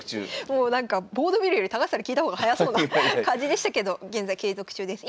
もうなんかボード見るより高橋さんに聞いた方が早そうな感じでしたけど現在継続中です。